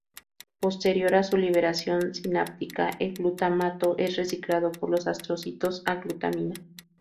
Posterior a su liberación sináptica, el glutamato es reciclado por los astrocitos a glutamina.